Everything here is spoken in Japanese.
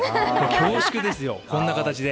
恐縮ですよ、こんな形で。